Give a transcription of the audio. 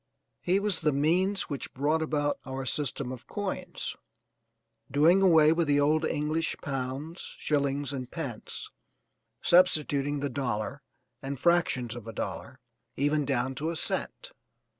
He was the means which brought about our system of coins, doing away with the old English pounds, shillings and pence, substituting the dollar and fractions of a dollar, even down to a cent.